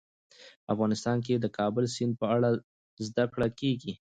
افغانستان کې د کابل سیند په اړه زده کړه کېږي.